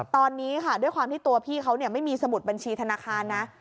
ตอนนี้ค่ะด้วยความที่ตัวพี่เขาไม่มีสมุดบัญชีธนาคารนะ